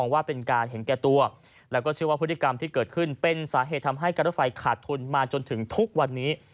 ว่าเป็นการเห็นแก่ตัวแล้วก็เชื่อว่าพฤติกรรมที่เกิดขึ้นเป็นสาเหตุทำให้การรถไฟขาดทุนมาจนถึงทุกวันนี้